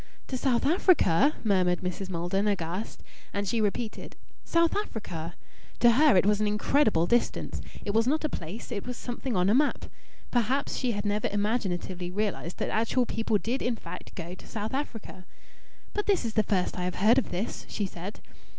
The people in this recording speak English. "To South Africa?" murmured Mrs. Maldon, aghast. And she repeated, "South Africa?" To her it was an incredible distance. It was not a place it was something on the map. Perhaps she had never imaginatively realized that actual people did in fact go to South Africa. "But this is the first I have heard of this!" she said.